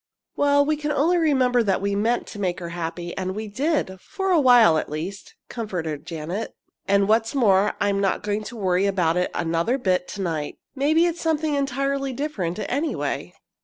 "Well, we can only remember that we meant to make her happy, and we did for a while, at least," comforted Janet. "And what's more, I'm not going to worry about it another bit to night. Maybe it's something entirely different, anyway."